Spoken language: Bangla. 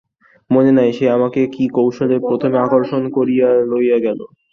মনে নাই, সে আমাকে কী কৌশলে প্রথমে আকর্ষণ করিয়া লইয়া গেল।